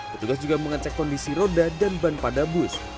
petugas juga mengecek kondisi roda dan ban pada bus